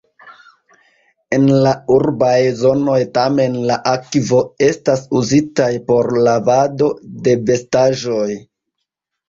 En la urbaj zonoj tamen la akvo estas uzitaj por lavado de vestaĵoj.